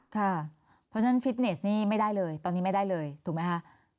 เพราะฉะนั้นฟิตเนสนี่ไม่ได้เลยตอนนี้ไม่ได้เลยถูกไหมคะ